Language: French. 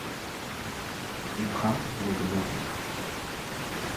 Duprat venait de mourir.